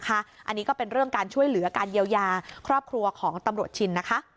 อันนี้ก็เป็นเรื่องการช่วยเหลือการเยียวยาครอบครัวของตำรวจชินนะคะ